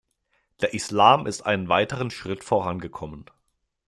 Der Islam ist einen weiteren Schritt vorangekommen.